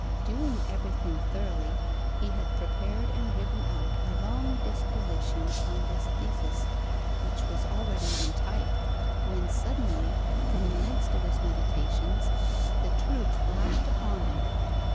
Doing everything thoroughly, he had prepared and written out a long disquisition on this thesis, which was already in type, when suddenly, from the midst of his meditations, the truth flashed upon him.